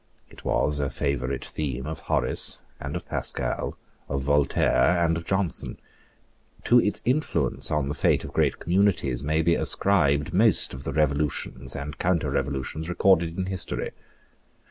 It was a favourite theme of Horace and of Pascal, of Voltaire and of Johnson. To its influence on the fate of great communities may be ascribed most of the revolutions and counterrevolutions recorded in history.